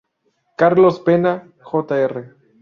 Carlos Pena, Jr.